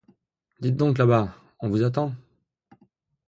Dites donc, là-bas, on vous attend!